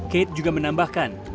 kate juga menambahkan